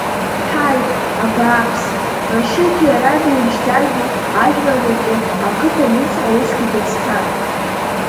Ҳаи, абааԥс, Рашьыҭ иара димшьӡаргьы, ажәлар рҿы, ақыҭа аҩныҵҟа усгьы дыԥсхьан.